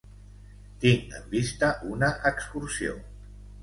Tinc en vista una excursió.